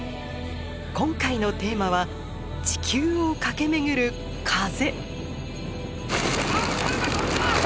今回のテーマは地球を駆け巡る風。